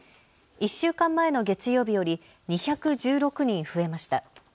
１週間前の月曜日より２１６人増えました。